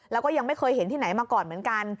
แล้วก็ยังไม่เคยเห็นที่ไหนมาก่อนเหมือนกัน